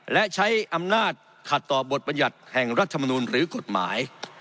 และใช้อำนาจขัดต่อบทบรรยัติแห่งรัฐมนูลหรือกฎหมาย